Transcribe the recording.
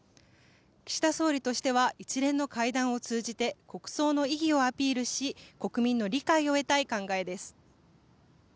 岸田総理としては一連の会談を通じて国葬の意義をアピールし国民の理解を得たい考えです。